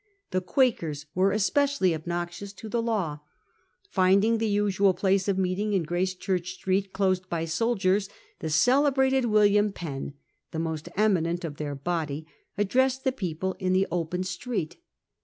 The Quakers were Case of especially obnoxious to the law. Finding the WHiam usual place of meeting in Gracechurch Street ofTunes, 8 s closed by soldiers, the celebrated William Penn, Sept. 1670. t jj e most em i nen t 0 f their body, addressed the people in the open street.